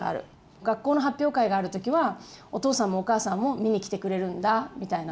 学校の発表会がある時はお父さんもお母さんも見に来てくれるんだみたいな。